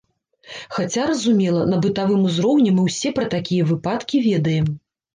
Хаця, разумела, на бытавым узроўні мы ўсе пра такія выпадкі ведаем.